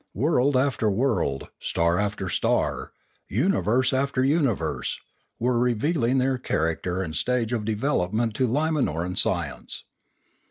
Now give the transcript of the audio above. World after world, star after star, universe after universe, were revealing their character and stage of development to Limanoran science.